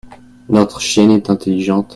notre chienne est intelligente.